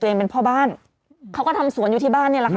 เป็นพ่อบ้านเขาก็ทำสวนอยู่ที่บ้านนี่แหละค่ะ